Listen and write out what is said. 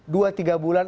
dua tiga bulan